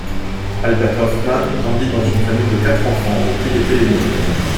Albert Hofmann grandit dans une famille de quatre enfants dont il était l'ainé.